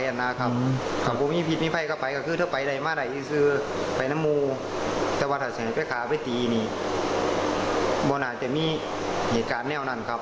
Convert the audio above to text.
ถ้าไม่มีผิดไม่มีไฟก็ไปถ้าไปไหนมาไหนไปน้ำมูลจะวาดถัดแสงไปขาไปตีมันอาจจะมีเหตุการณ์แนวนั้น